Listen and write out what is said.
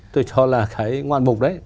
tôi cho là cái ngoạn mục đấy